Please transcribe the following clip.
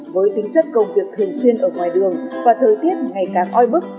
với tính chất công việc thường xuyên ở ngoài đường và thời tiết ngày càng oi bức